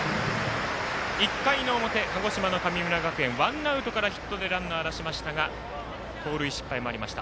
１回の表、鹿児島の神村学園ワンアウトからヒットでランナーを出しましたが盗塁失敗もありました。